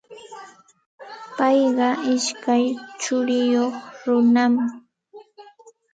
Payqa ishkay churiyuq runam.